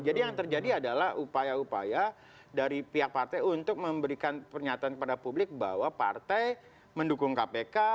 jadi yang terjadi adalah upaya upaya dari pihak partai untuk memberikan pernyataan kepada publik bahwa partai mendukung kpk